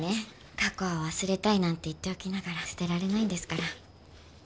過去は忘れたいなんて言っておきながら捨てられないんですから。